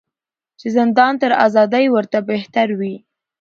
چي زندان تر آزادۍ ورته بهتر وي